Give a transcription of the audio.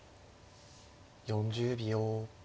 ４０秒。